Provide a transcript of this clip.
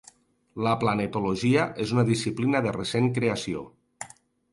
La planetologia és una disciplina de recent creació.